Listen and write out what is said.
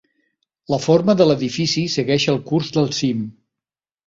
La forma de l"edifici segueix el curs del cim.